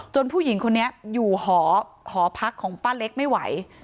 ผู้หญิงคนนี้อยู่หอพักของป้าเล็กไม่ไหว